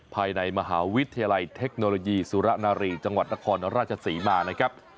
ภายในมหาวิทยาลัยเทคโนโลยีสุรนารีจังหวัดนครราชศรีมานะครับ